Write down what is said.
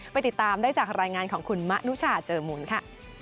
ไปติดตามได้จากรายงานของคุณมะนุชาเจอมูลค่ะ